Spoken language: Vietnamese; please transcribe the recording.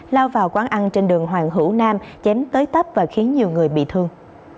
lao vào quán ăn trên đường hoàng hữu nam chém tới tấp và khiến nhiều người bị thương